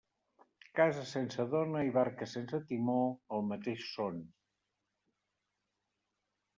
Casa sense dona i barca sense timó, el mateix són.